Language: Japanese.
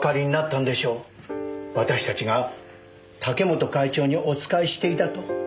私たちが武本会長にお仕えしていたと。